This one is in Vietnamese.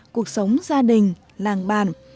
cuộc sống gia đình làng bàn